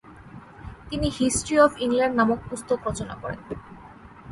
তিনি History of England নামক পুস্তক রচনা করেন।